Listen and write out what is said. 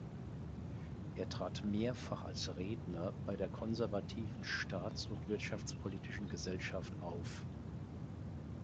Er trat mehrfach als Redner bei der konservativen Staats- und Wirtschaftspolitischen Gesellschaft auf.